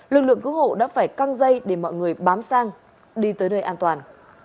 lực lượng cứu hộ đã phải căng dây để mọi người bám đi tới nơi an toàn